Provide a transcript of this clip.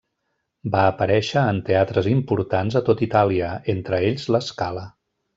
Va aparèixer en teatres importants a tot Itàlia, entre ells La Scala.